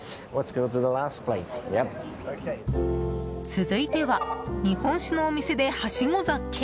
続いては日本酒のお店で、はしご酒！